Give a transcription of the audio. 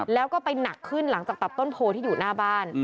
แล้วก็ไปหนักขึ้นหลังจากตัดต้นโพที่อยู่หน้าบ้าน